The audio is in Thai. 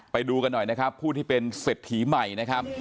ไปดูกันหน่อยนะครับผู้ที่เป็นเศรษฐีใหม่นะครับ